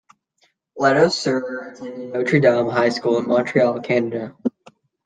Ladouceur attended Notre Dame High School in Montreal, Canada.